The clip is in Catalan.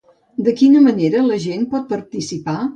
De quina manera la gent pot participar?